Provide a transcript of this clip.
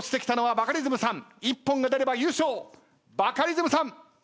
バカリズムさん。